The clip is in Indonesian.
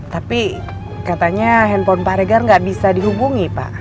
tapi katanya handphone pak reger gak bisa dihubungi pak